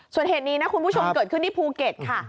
ส่วนเหตุนี้นะคุณผู้ชมเกิดขึ้นที่ภูเก็ตค่ะ